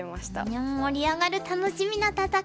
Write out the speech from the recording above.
いや盛り上がる楽しみな戦い。